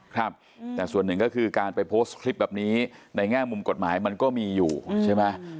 ครับแต่ส่วนหนึ่งก็คือการไปโพสต์คลิปแบบนี้ในแง่มุมกฎหมายมันก็มีอยู่ใช่ไหม